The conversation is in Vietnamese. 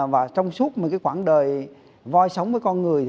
và trong suốt một cái khoảng đời voi sống với con người